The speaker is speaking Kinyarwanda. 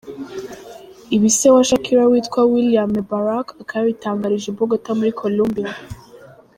Ibi se wa Shakira witwa William Mebarak akaba yabitangarije i Bogota muri Columbia.